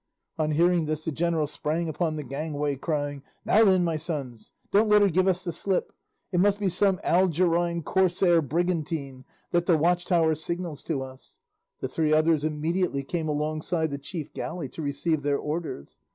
On hearing this the general sprang upon the gangway crying, "Now then, my sons, don't let her give us the slip! It must be some Algerine corsair brigantine that the watchtower signals to us." The three others immediately came alongside the chief galley to receive their orders.